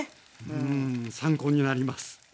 うん参考になります。